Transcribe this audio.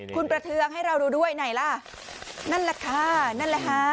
คุณประเทืองให้เราดูด้วยไหนล่ะนั่นแหละค่ะนั่นแหละค่ะ